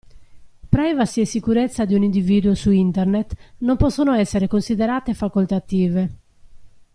Privacy e sicurezza di ogni individuo su internet non possono essere considerate facoltative.